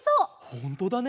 ほんとだね。